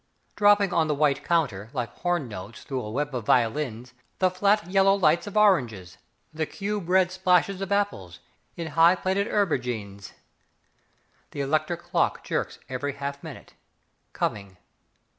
Dropping on the white counter like horn notes Through a web of violins, The flat yellow lights of oranges, The cube red splashes of apples, In high plated 'epergnes'. The electric clock jerks every half minute: "Coming!